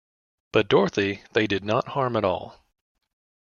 But Dorothy they did not harm at all.